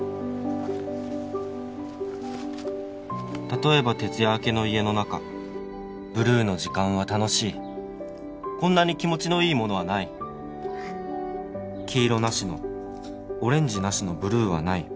「例えば徹夜明けの家の中」「ブルーの時間は楽しい」「こんなに気持ちのいいものはない」「黄色なしのオレンジなしのブルーはない」